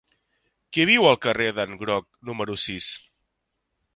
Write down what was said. Qui viu al carrer d'en Groc número sis?